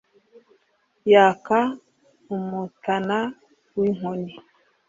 Yaka umutana w' inkoni